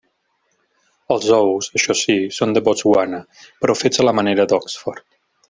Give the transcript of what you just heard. Els ous, això sí, són de Botswana, però fets a la manera d'Oxford.